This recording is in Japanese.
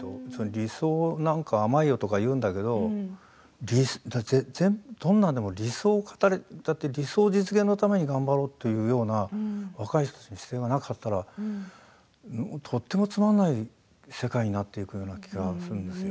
理想なんて甘いよとか言うんだけれど理想実現のために頑張ろうというような若い人たちの視点がなかったらとてもつまらない世界になっていくような気がするんですよ。